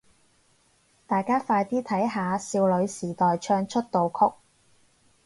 大家快啲睇下少女時代唱出道曲